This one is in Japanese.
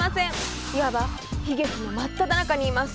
いわば悲劇の真っただ中にいます。